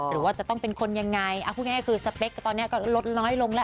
หรือว่าจะต้องเป็นคนยังไงเอาพูดง่ายคือสเปคตอนนี้ก็ลดน้อยลงแล้ว